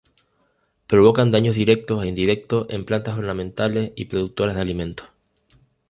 Provocan daños directos e indirectos en plantas ornamentales y productoras de alimentos.